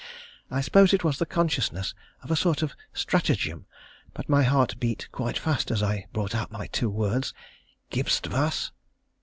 I suppose it was the consciousness of a sort of stratagem, but my heart beat quite fast as I brought out my two words, "_Gibst' was?